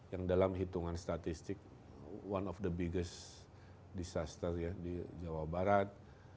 yang dalam hitungan statistik one of the biggest disaster ya di jawa barat